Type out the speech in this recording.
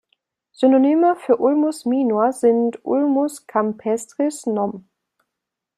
Synonyme für "Ulmus minor" sind: "Ulmus campestris" nom.